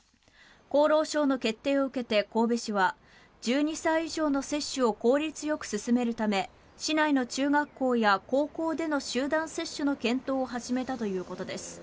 厚労省の決定を受けて神戸市は１２歳以上の接種を効率よく進めるため市内の中学校や高校での集団接種の検討を始めたということです。